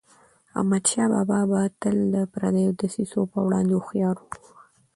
احمدشاه بابا به تل د پردیو دسیسو پر وړاندي هوښیار و.